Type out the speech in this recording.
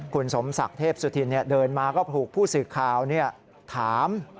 คุณสมศักดิ์เทพสุธินเดินมาก็ถูกผู้สื่อข่าวถาม